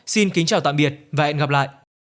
xin kính chào tạm biệt và hẹn gặp lại